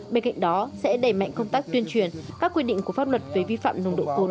bên cạnh đó sẽ đẩy mạnh công tác tuyên truyền các quy định của pháp luật về vi phạm nồng độ cồn